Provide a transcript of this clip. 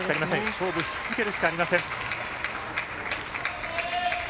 勝負し続けるしかありません。